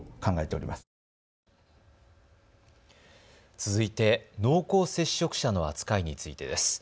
続いて濃厚接触者の扱いについてです。